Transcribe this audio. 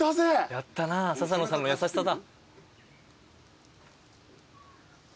やったな笹野さんの優しさだ。